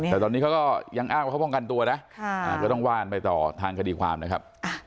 แต่ตอนนี้เขาก็ยังอ้างว่าเขาป้องกันตัวนะก็ต้องว่านไปต่อทางคดีความนะครับ